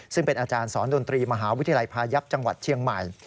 ซึ่งเป็นอาจารย์สอนดนตรีมหาวิทยาลัยพายับจังหวัดเชียงใหม่